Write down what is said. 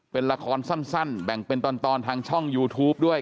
เป็นละครสั้นแบ่งเป็นตอนทางช่องยูทูปด้วย